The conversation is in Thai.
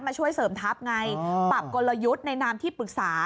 มาช่วยเสริมทัพไงปรับกลยุทธ์ในนามที่ปรึกษา